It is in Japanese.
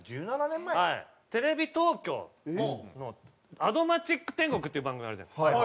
テレビ東京の『アド街ック天国』っていう番組があるじゃないですか。